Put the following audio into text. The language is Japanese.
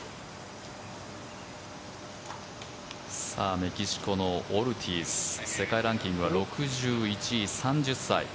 メキシコのオルティーズ世界ランキングは６１位３０歳。